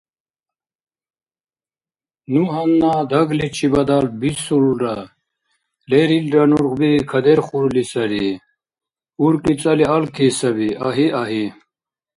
Ну гьанна дагличибадал бисулра, лерилра нургъби кадерхурли сари, уркӀи цӀали алки саби… Агьи-агьи!